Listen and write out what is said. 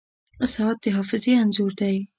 • ساعت د حافظې انځور دی.